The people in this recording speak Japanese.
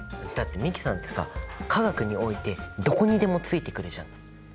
だって美樹さんってさ化学においてどこにでもついてくるじゃん。